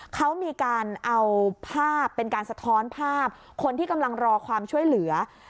เขามีการเอาภาพเป็นการสะท้อนภาพคนที่กำลังรอความช่วยเหลือ